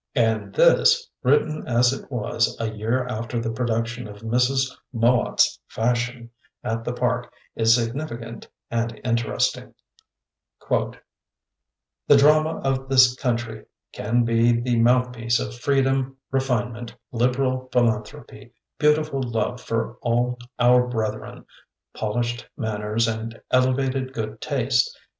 And this, written as it was a year after the production of Mrs. Mowatt's "Fashion" at the Park, is significant and interesting: The drama of this country can be the mouth piece of freedom, refinement, liberal philan thropy, beautiful love for all our brethren, pol ished manners and elevated good taste.